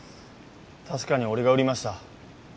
確かに俺が売りました。